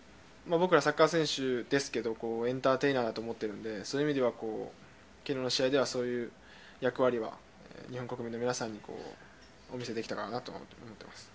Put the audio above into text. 僕らサッカー選手ですけどエンターテイナーだと思っているのでそういう意味では昨日の試合ではそういう役割は日本国民の皆さんにお見せできたかなと思っています。